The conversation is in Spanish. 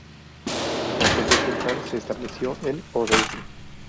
La sede central se estableció en Odense.